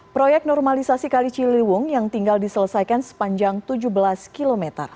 proyek normalisasi kali ciliwung yang tinggal diselesaikan sepanjang tujuh belas km